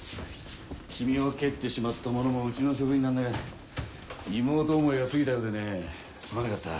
君を蹴ってしまった者もうちの職員なんだが妹思いが過ぎたようでねすまなかった。